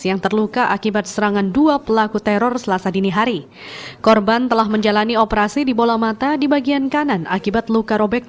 yang terluka akibat serangan dua pelaku teror selasa dini hari